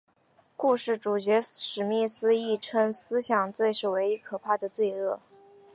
故事主角史密斯亦称思想罪是唯一可怕的罪恶。